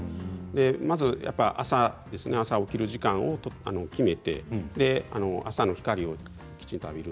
まず朝起きる時間を決めて朝の光をきちんと浴びる